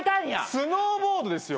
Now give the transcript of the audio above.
スノーボードですよ。